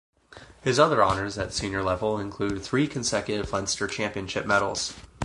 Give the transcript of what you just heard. His other honours at senior level include three consecutive Leinster Championship medals.